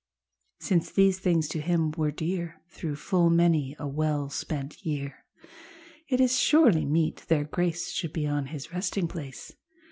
Since these things to him were dear Through full many a well spent year. It is surely meet their grace Should be on his resting place.